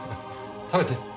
食べて。